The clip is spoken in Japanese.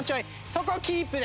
そこキープで。